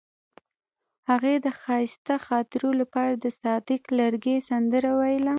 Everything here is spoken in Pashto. هغې د ښایسته خاطرو لپاره د صادق لرګی سندره ویله.